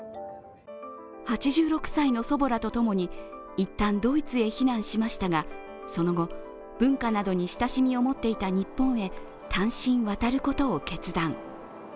８６歳の祖母らとともに一旦ドイツへ避難しましたが、その後、文化などに親しみを持っていた日本へ単身渡ることを決断。